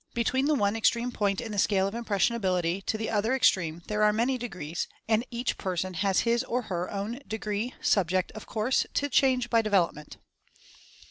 Between the one extreme point in the scale of Impressionability to the other extreme there are many degrees — and each person has his or her own degree, subject, of course, to change by develop ment.